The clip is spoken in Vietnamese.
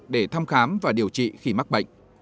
để thăm khám và điều trị khi mắc bệnh